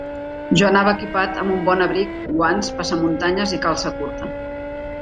Jo anava equipat amb un bon abric, guants, passamuntanyes i calça curta.